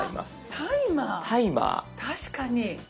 確かに。